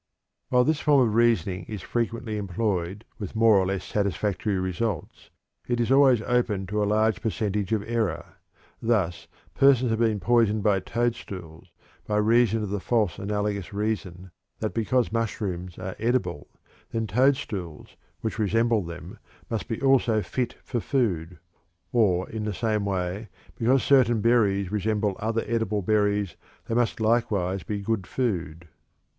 While this form of reason is frequently employed with more or less satisfactory results, it is always open to a large percentage of error. Thus, persons have been poisoned by toadstools by reason of false analogous reasoning that because mushrooms are edible, then toadstools, which resemble them, must also be fit for food; or, in the same way, because certain berries resemble other edible berries they must likewise be good food.